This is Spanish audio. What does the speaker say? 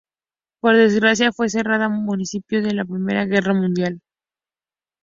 Por desgracia, fue cerrada a principios de la Primera Guerra Mundial.